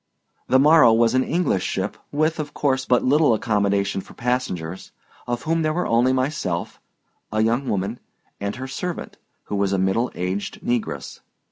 The Morrow was an English ship with, of course, but little accommodation for passengers, of whom there were only myself, a young woman and her servant, who was a middle aged negress.